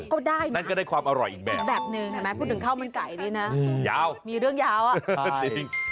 ก็ได้นะอีกแบบนึงพูดถึงข้าวมันไก่นี่นะมีเรื่องยาวจริง